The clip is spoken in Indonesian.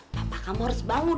papa kamu harus bangun